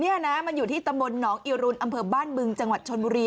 นี่นะมันอยู่ที่ตำบลหนองอิรุนอำเภอบ้านบึงจังหวัดชนบุรี